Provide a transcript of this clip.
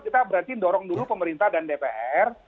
kita berarti dorong dulu pemerintah dan dpr